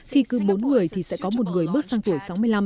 khi cứ bốn người thì sẽ có một người bước sang tuổi sáu mươi năm